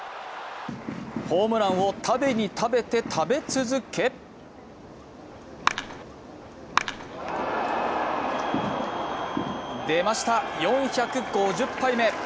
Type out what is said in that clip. ホームランを食べに食べて、食べ続け出ました、４５０杯目。